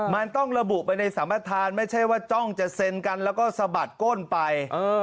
มันต้องระบุไปในสัมประธานไม่ใช่ว่าจ้องจะเซ็นกันแล้วก็สะบัดก้นไป